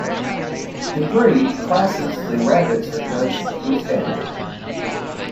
In breed classes the rabbits are judged to a standard.